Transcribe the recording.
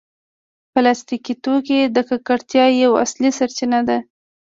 پلاستيکي توکي د ککړتیا یوه اصلي سرچینه ده.